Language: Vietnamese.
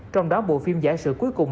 trong đó bộ phim giả sử cuối cùng